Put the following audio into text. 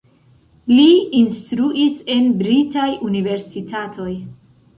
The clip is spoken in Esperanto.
Li instruis en britaj universitatoj.